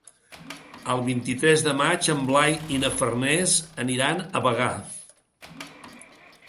El vint-i-tres de maig en Blai i na Farners aniran a Bagà.